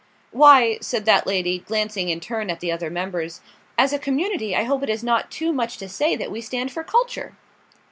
"Why," said that lady, glancing in turn at the other members, "as a community I hope it is not too much to say that we stand for culture."